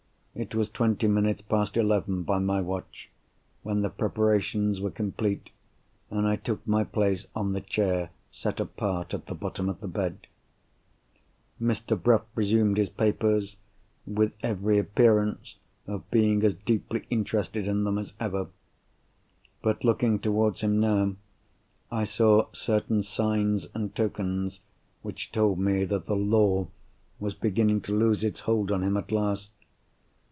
It was twenty minutes past eleven, by my watch, when the preparations were completed, and I took my place on the chair set apart at the bottom of the bed. Mr. Bruff resumed his papers, with every appearance of being as deeply interested in them as ever. But looking towards him now, I saw certain signs and tokens which told me that the Law was beginning to lose its hold on him at last.